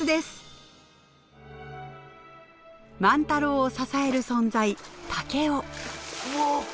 万太郎を支える存在竹雄。